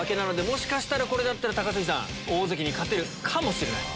もしかしたらこれだったら大関に勝てるかもしれない。